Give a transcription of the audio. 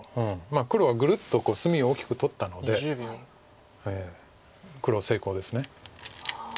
黒はグルッと隅を大きく取ったので黒成功です。